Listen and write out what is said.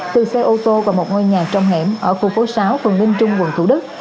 từ xe ô tô vào một ngôi nhà trong hẻm ở khu phố sáu phường linh trung quận thủ đức